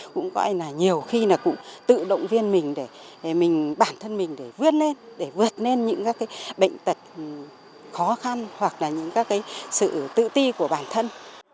cũng gọi là nhiều khi là cũng tự động viên mình để mình bản thân mình để vươn lên để vượt lên những các cái bệnh tật khó khăn hoặc là những các cái sự tự ti của bản thân